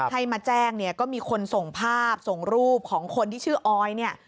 ให้มาแจ้งเนี่ยก็มีคนส่งภาพส่งรูปของคนที่ชื่อออยเนี่ย